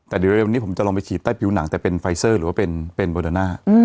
แต่เดี๋ยวเร็วนี้ผมจะลองไปฉีดใต้ผิวหนังแต่เป็นไฟเซอร์หรือว่าเป็นโมเดอร์น่า